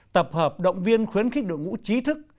tập hợp động viên khuyến khích đội ngũ trí thức